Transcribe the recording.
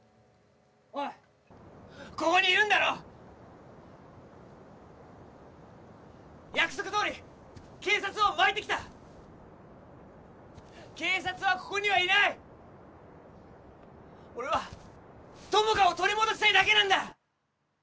おいここにいるんだろ約束どおり警察をまいてきた警察はここにはいない俺は友果を取り戻したいだけなんだ